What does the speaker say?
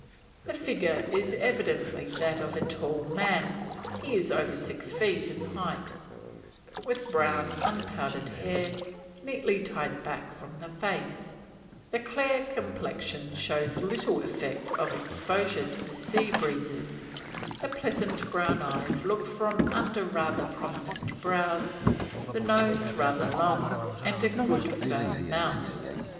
The figure is evidently that of a tall man he was over six feet in height with brown unpowdered hair, neatly tied back from the face; the clear complexion shows little effect of exposure to the sea breezes, the pleasant brown eyes look from under rather prominent brows, the nose rather long, and a good firm mouth.